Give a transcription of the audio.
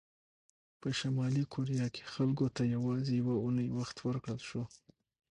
په شلي کوریا کې خلکو ته یوازې یوه اونۍ وخت ورکړل شو.